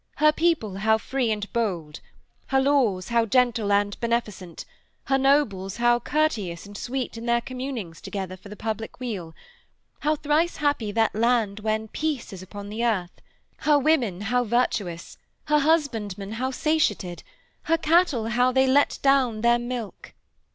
'Her people how free and bold! Her laws how gentle and beneficent, her nobles how courteous and sweet in their communings together for the public weal! How thrice happy that land when peace is upon the earth! Her women how virtuous, her husbandmen how satiated, her cattle how they let down their milk!'